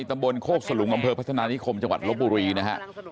ตำบลโคกสลุงอำเภอพัฒนานิคมจังหวัดลบบุรีนะฮะ